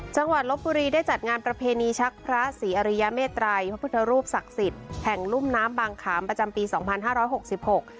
ลบบุรีได้จัดงานประเพณีชักพระศรีอริยเมตรัยพระพุทธรูปศักดิ์สิทธิ์แห่งรุ่มน้ำบางขามประจำปีสองพันห้าร้อยหกสิบหก